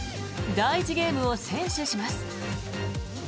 第１ゲームを先取します。